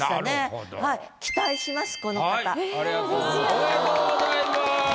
ありがとうございます。